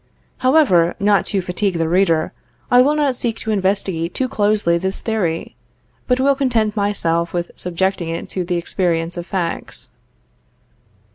However, not to fatigue the reader, I will not seek to investigate too closely this theory, but will content myself with subjecting it to the experience of facts.